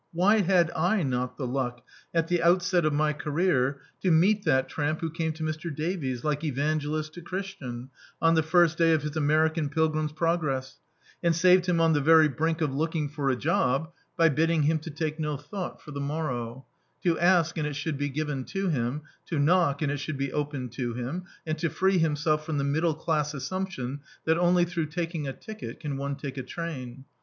Why had I not the luck, at the outset of my career, to meet that tramp who came to Mr. Davies, like Evangelist to Oiristian, on the first day of his American pilgrim's progress, and saved him on the very brink of looking for a job, [livl D,i.,.db, Google Preface by bidding him to take no thought for the morrow; to ask and it should be given to him; to knock and it should be opened to him; and to free himself from the middle class assumpticm that only through taking a ticket can one take a train.